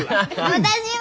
私は？